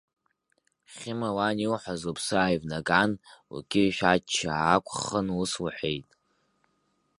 Хьыма лан илҳәаз лыԥсы ааивнаган, лқьышә ачча аақәххын ус лҳәеит…